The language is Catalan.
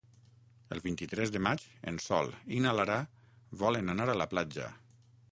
El vint-i-tres de maig en Sol i na Lara volen anar a la platja.